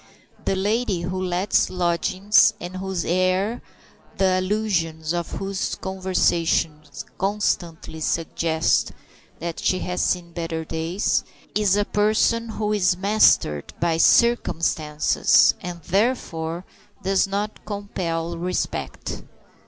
The lady who lets lodgings, and whose air and the allusions of whose conversation constantly suggest that she has seen better days, is a person who is mastered by circumstances, and therefore does not compel respect.